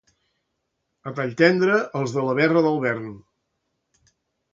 A Talltendre, els de la Verra del Vern.